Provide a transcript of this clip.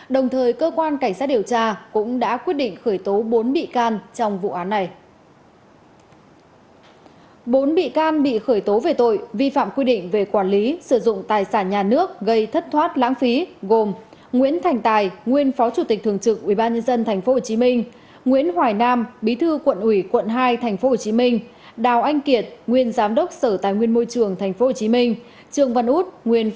đồng thời cơ quan cảnh sát điều tra cũng đã quyết định khởi tố bốn bị can trong vụ án này